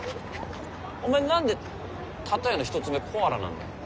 お前何で例えの１つ目コアラなんだよ。